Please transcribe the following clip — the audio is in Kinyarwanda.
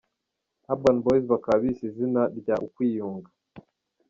Urban boyz bakaba bise izina rya ‘Ukwiyunga’.